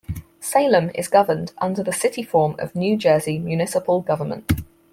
Salem is governed under the City form of New Jersey municipal government.